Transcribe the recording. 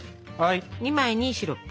２枚にシロップ。